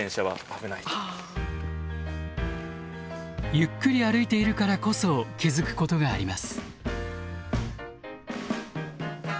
ゆっくり歩いているからこそ気付くことがあります。